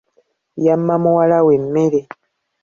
Yamma muwala we emmere.